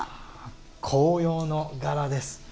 紅葉の柄です。